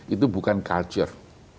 itu bukan culture